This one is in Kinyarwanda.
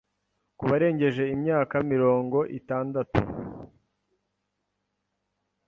ku barengeje imyaka mirongo itandatu